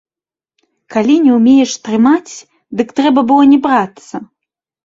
Калі не ўмееш трымаць, дык трэба было не брацца.